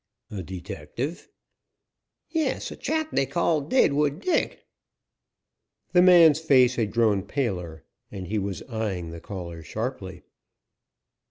"A detective?" "Yes; a chap they called Deadwood Dick." The man's face had grown paler, and he was eyeing the caller sharply.